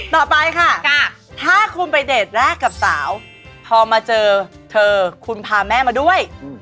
ต่อไปค่ะถ้าคุณไปเดทแรกกับสาวพอมาเจอเธอคุณพาแม่มาด้วย